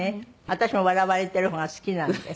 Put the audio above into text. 私も笑われてる方が好きなんで。